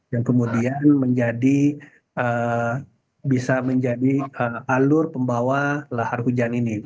yang kemudian menjadi bisa menjadi alur pembawa lahar hujan ini